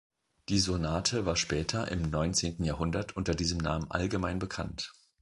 Die Sonate war später im neunzehnten Jahrhundert unter diesem Namen allgemein bekannt.